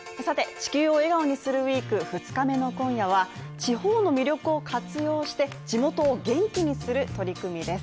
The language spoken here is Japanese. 「地球を笑顔にするＷＥＥＫ」、２日目の今夜は地方の魅力を活用して地元を元気にする取り組みです。